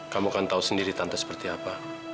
kamu akan tahu sendiri tante seperti apa